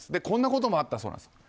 こんなこともあったそうです。